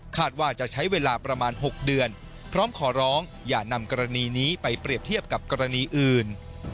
ว่าจะใช้เวลาประมาณ๖เดือนพร้อมขอร้องอย่านำกรณีนี้ไปเปรียบเทียบกับกรณีอื่น